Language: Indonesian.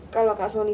kalau kak soni